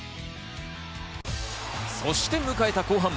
そして迎えた後半。